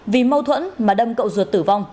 vì mâu thuẫn mà đâm cậu ruột tử vong